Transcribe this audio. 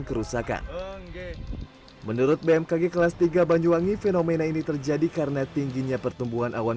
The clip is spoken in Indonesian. kerusakan menurut bmkg kelas tiga banyuwangi fenomena ini terjadi karena tingginya pertumbuhan awan